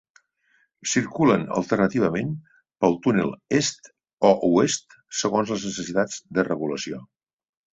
Circulen alternativament pel túnel est o oest segons les necessitats de regulació.